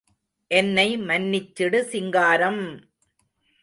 என்னை மன்னிச்சிடு சிங்காரம்!